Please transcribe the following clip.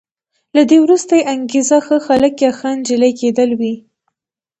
له دې وروسته یې انګېزه ښه هلک یا ښه انجلۍ کېدل وي.